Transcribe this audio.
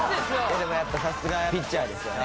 でもやっぱさすがピッチャーですよね。